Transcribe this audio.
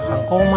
bapak suka ya